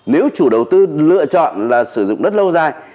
nếu chủ đầu tư lựa chọn là sử dụng đất lâu dài